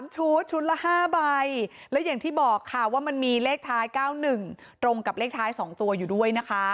ชุดชุดละ๕ใบและอย่างที่บอกค่ะว่ามันมีเลขท้าย๙๑ตรงกับเลขท้าย๒ตัวอยู่ด้วยนะคะ